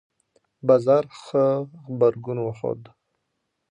بازار ښه غبرګون وښود.